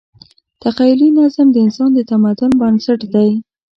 تخیلي نظم د انسان د تمدن بنسټ دی.